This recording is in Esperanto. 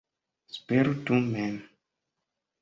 Spertu mem!